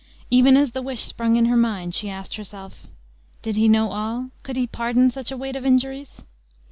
Even as the wish sprung in her mind, she asked herself "Did he know all, could he pardon such a weight of injuries?"